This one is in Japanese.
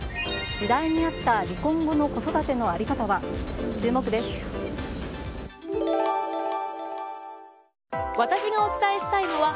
時代に合った離婚後の子育ての在り方は。